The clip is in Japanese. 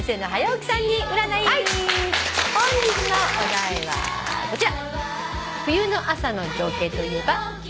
本日のお題はこちら！